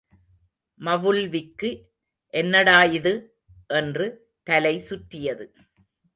மவுல்விக்கு— என்னடா இது? — என்று தலை சுற்றியது.